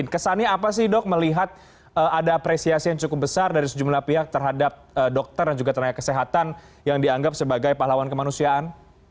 kesannya apa sih dok melihat ada apresiasi yang cukup besar dari sejumlah pihak terhadap dokter dan juga tenaga kesehatan yang dianggap sebagai pahlawan kemanusiaan